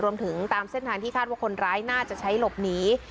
รวมถึงตามเส้นทางที่คาดว่าคนร้ายน่าจะใช้หลบหนี